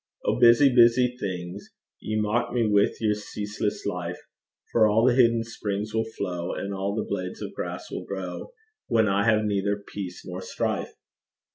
O, busy, busy things! Ye mock me with your ceaseless life; For all the hidden springs will flow, And all the blades of grass will grow, When I have neither peace nor strife.